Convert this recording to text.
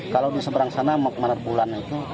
kalau di seberang sana mok manar bulan itu